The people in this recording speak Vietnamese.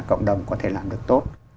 cộng đồng có thể làm được tốt